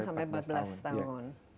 sampai empat belas tahun